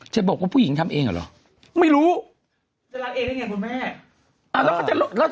จะบอกว่าผู้หญิงทำเองหรือ